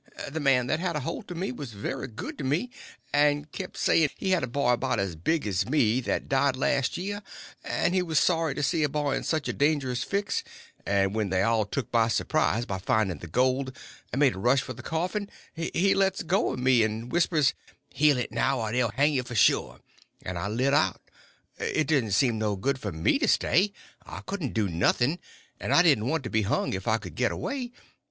The man that had a holt of me was very good to me, and kept saying he had a boy about as big as me that died last year, and he was sorry to see a boy in such a dangerous fix; and when they was all took by surprise by finding the gold, and made a rush for the coffin, he lets go of me and whispers, 'Heel it now, or they'll hang ye, sure!' and I lit out. It didn't seem no good for me to stay—I couldn't do nothing, and I didn't want to be hung if I could get away.